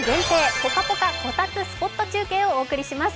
ポカポカこたつスポット中継をお伝えします。